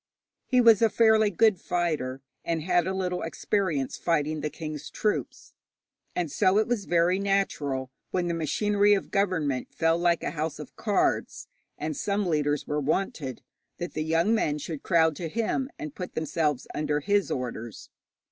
He was a fairly good fighter, and had a little experience fighting the king's troops; and so it was very natural, when the machinery of government fell like a house of cards, and some leaders were wanted, that the young men should crowd to him, and put themselves under his orders.